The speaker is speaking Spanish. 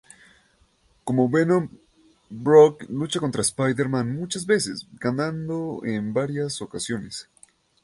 Como Venom, Brock lucha contra Spider-Man muchas veces, ganando en varias ocasiones.